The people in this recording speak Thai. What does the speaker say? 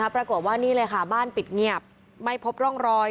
ปรากฏว่านี่เลยค่ะบ้านปิดเงียบไม่พบร่องรอย